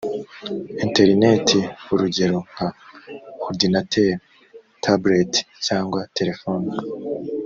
interineti urugero nka orudinateri tabuleti cyangwa telefoni